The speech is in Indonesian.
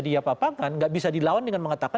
diapakan tidak bisa dilawan dengan mengatakan